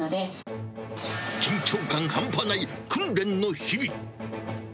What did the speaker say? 緊張感半端ない訓練の日々。